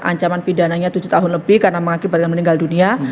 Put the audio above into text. ancaman pidananya tujuh tahun lebih karena mengakibatkan meninggal dunia